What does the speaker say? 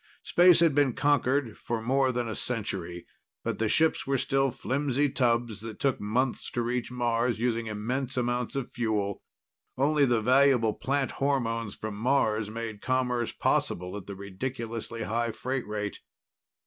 Space had been conquered for more than a century, but the ships were still flimsy tubs that took months to reach Mars, using immense amounts of fuel. Only the valuable plant hormones from Mars made commerce possible at the ridiculously high freight rate.